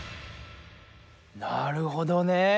なるほどね。